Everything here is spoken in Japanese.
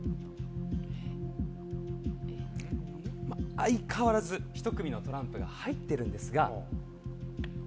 相変わらずひと組のトランプが入ってるんですが。